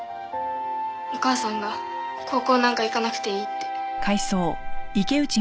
お母さんが高校なんか行かなくていいって。